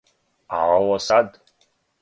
А ово сад?